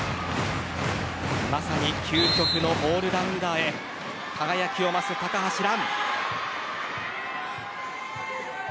まさに究極のオールラウンダーへ輝きを増す、高橋藍。